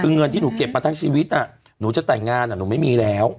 คือเงินที่หนูเก็บมาทั้งชีวิตหนูจะแต่งงานหนูไม่มีแล้ว